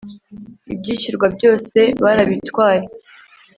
Ibyishyurwa byose barabitwaye